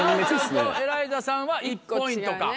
奈央ちゃんとエライザさんは１ポイントか。